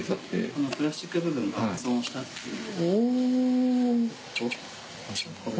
このプラスチック部分が破損したっていう。